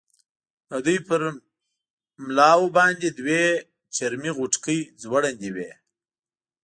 د دوی پر ملاو باندې دوې چرمي غوټکۍ ځوړندې وې.